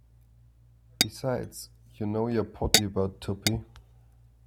Besides, you know you're potty about Tuppy.